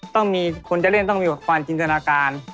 ต้องมีคนจะเล่นต้องมีความจินตนาการ